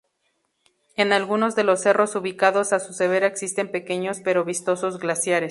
En algunos de los cerros ubicados a su vera existen pequeños pero vistosos glaciares.